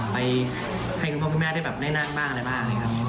ไปให้คุณพ่อคุณแม่ได้แบบได้นั่งบ้างอะไรบ้างนะครับ